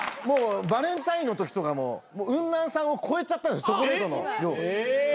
バレンタインのときとかもウンナンさんを超えちゃったチョコレートの量。